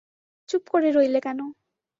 চুপ করে রইলে কেন।